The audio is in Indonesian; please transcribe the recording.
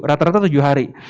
rata rata tujuh hari